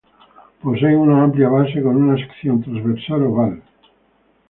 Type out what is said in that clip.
Poseen una amplia base con una sección transversal oval.